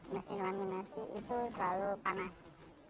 mesin laminasi itu terlalu panas